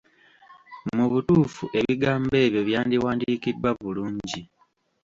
Mu butuufu ebigambo ebyo byandiwandiikiddwa bulungi!